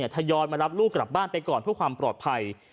ทยอยมารับลูกกลับบ้านไปก่อนเพื่อความปลอดภัย